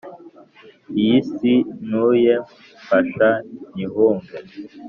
iyi si ntuye mfasha nyihunge